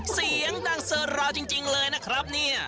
เสียงดังเซอร์ราวจริงเลยนะครับเนี่ย